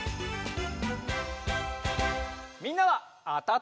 みんなはあたったかな？